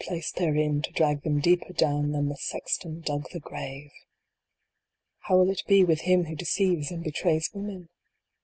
placed therein, to drag them deeper down than the sexton dug the grave ! How will it be with him who deceives and betrays women